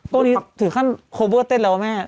ตัวนี้ถือขั้นโคเวิร์ดเต้นแล้วไหม